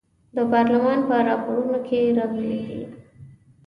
د پارلمان په راپورونو کې راغلي دي.